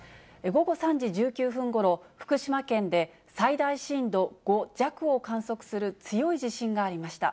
午後３時１９分ごろ、福島県で、最大震度５弱を観測する強い地震がありました。